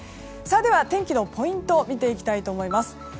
では、天気のポイント見ていきたいと思います。